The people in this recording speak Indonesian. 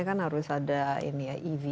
harus ada ev